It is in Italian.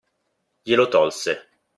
Glielo tolse.